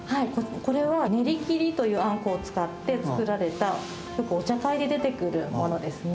これは練り切りというあんこを使って作られたよくお茶会で出てくるものですね。